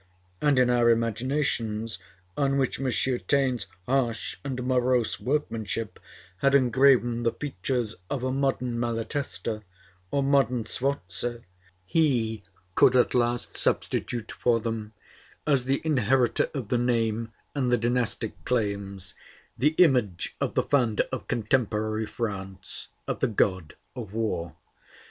And in our imaginations, on which M. Taine's harsh and morose workmanship had engraven the features of a modern Malatesta or modern Sforza, he could at last substitute for them, as the inheritor of the name and the dynastic claims, the image of the founder of contemporary France, of the god of war.